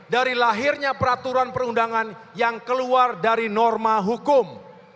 dari lahirnya peraturan perundangan yang keluar dari norma hukum